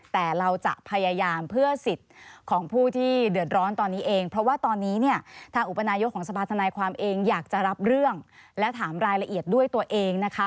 แต่เราจะพยายามเพื่อสิทธิ์ของผู้ที่เดือดร้อนตอนนี้เองเพราะว่าตอนนี้เนี่ยทางอุปนายกของสภาธนายความเองอยากจะรับเรื่องและถามรายละเอียดด้วยตัวเองนะคะ